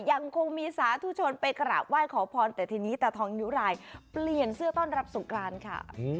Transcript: ยังคงมีสาธุชนไปกราบไหว้ขอพรแต่ทีนี้ตาทองยุรายเปลี่ยนเสื้อต้อนรับสงกรานค่ะ